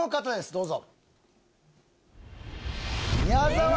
どうぞ。